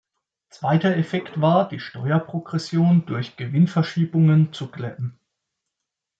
Zweiter Effekt war, die Steuerprogression durch Gewinn-Verschiebungen zu glätten.